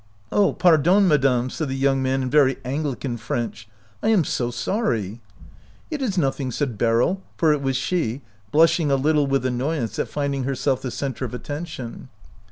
"Oh, pardon, madame!" said the young man in very Anglican French. " I am so sorry !"" It is nothing," said Beryl, for it was she, blushing a little with annoyance at finding herself the center of observation.